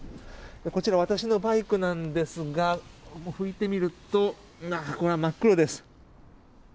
こちら、私のバイクなんですが拭いてみると、真っ黒です。